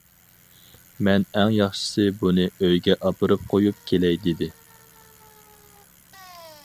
مەن ئەڭ ياخشىسى بۇنى ئۆيگە ئاپىرىپ قويۇپ كېلەي دېدى.